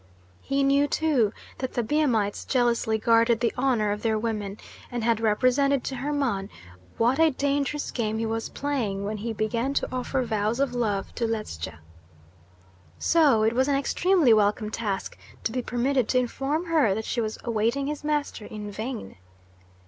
He knew, too, that the Biamites jealously guarded the honour of their women, and had represented to Hermon what a dangerous game he was playing when he began to offer vows of love to Ledscha. So it was an extremely welcome task to be permitted to inform her that she was awaiting his master in vain.